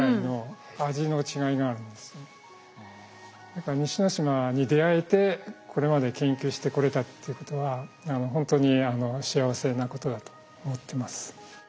だから西之島に出合えてこれまで研究してこれたっていうことはほんとに幸せなことだと思ってます。